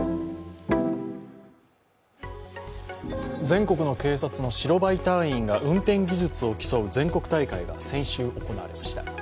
全国の警察の白バイ隊員が運転技術を競う全国大会が先週行われました。